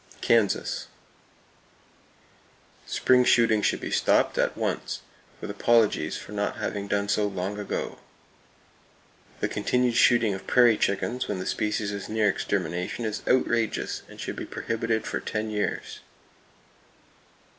Kansas: Spring shooting should be stopped, at once: with apologies for not having done so long ago. The continued shooting of prairie chickens when the species is near extermination is outrageous, and should be prohibited for ten years.